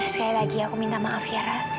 sekali lagi aku minta maaf ya ra